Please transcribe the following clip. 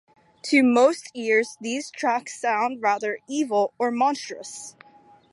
To most ears these tracks sound rather evil or monstrous.